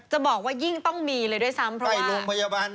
จะบอกว่ายิ่งต้องมีเลยด้วยซ้ำเพราะว่า